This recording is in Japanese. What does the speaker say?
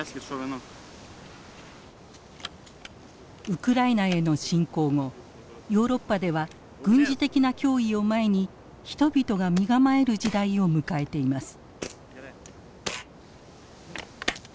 ウクライナへの侵攻後ヨーロッパでは軍事的な脅威を前に人々が身構える時代を迎えています。